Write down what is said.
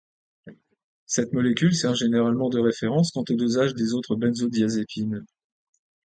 Cette molécule sert généralement de référence quant aux dosages des autres benzodiazépines.